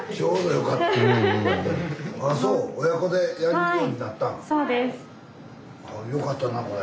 よかったなこれ。